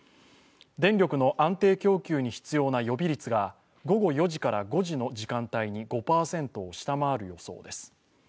電力の安定供給に必要な予備率が午後４時から５時の時間帯に５％を下回る予想です。